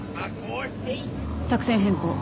作戦変更。